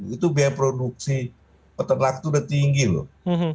itu biaya produksi peternak itu udah tinggi loh